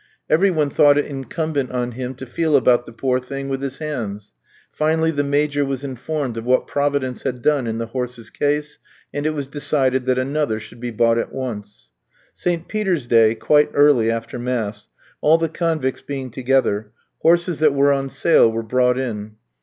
Every one thought it incumbent on him to feel about the poor thing with his hands; finally the Major was informed of what Providence had done in the horse's case, and it was decided that another should be bought at once. St. Peter's Day, quite early after mass, all the convicts being together, horses that were on sale were brought in.